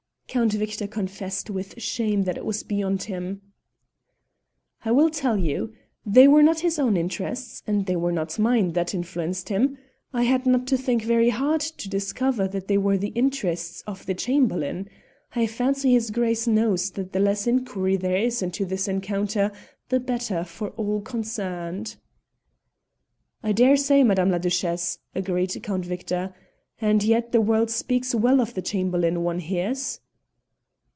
Count Victor confessed with shame that it was beyond him. "I will tell you. They were not his own interests, and they were not mine, that influenced him; I had not to think very hard to discover that they were the interests of the Chamberlain. I fancy his Grace knows that the less inquiry there is into this encounter the better for all concerned." "I daresay, Madame la Duchesse," agreed Count Victor, "and yet the world speaks well of the Chamberlain, one hears."